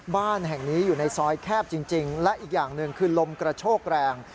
บ้านแห่งนี้อยู่ในซอยแคบจริงและอีกอย่างหนึ่งคือลมกระโชกแรง